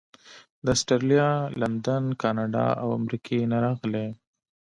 د اسټرالیا، لندن، کاناډا او امریکې نه راغلي.